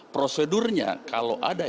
prosedurnya kalau ada informasi